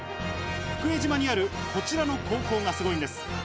福江島にあるこちらの高校がすごいんです。